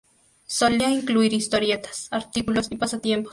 Solía incluir historietas, artículos y pasatiempos.